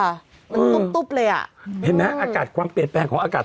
มันตุ๊บตุ๊บเลยอ่ะเห็นไหมอากาศความเปลี่ยนแปลงของอากาศ